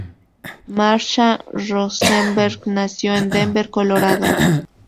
Marsha Rosenberg nació en Denver, Colorado.